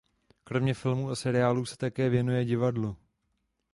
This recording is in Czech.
Kromě filmů a seriálů se také věnuje divadlu.